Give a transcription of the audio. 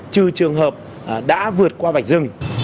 chứ trường hợp đã vượt qua vạch dừng